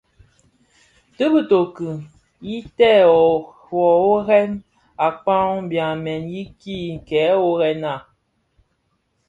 Ti bitoki yi tè woworèn akpaň byamèn yiiki kè worrena,